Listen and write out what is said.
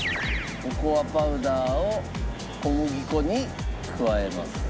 ココアパウダーを小麦粉に加えます。